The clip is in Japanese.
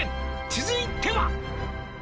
「続いては」